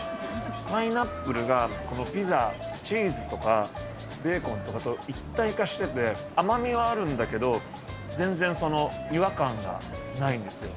パイナップルが、このピザ、チーズとか、ベーコンとかと一体化してて、甘みはあるんだけど、全然、違和感がないんですよ。